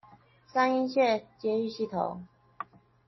三鶯線捷運系統